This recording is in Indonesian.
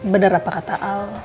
benar apa kata al